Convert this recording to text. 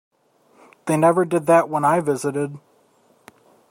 They never did that when I visited.